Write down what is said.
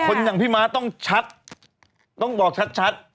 อย่างพี่ม้าต้องชัดต้องบอกชัด